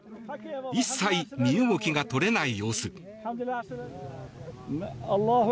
一切身動きが取れない様子。